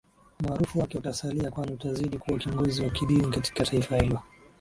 umaarufu wake utasalia kwani atazidi kuwa kiongozi wa kidini katika taifa hilo